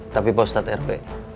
tapi pak ustadz rw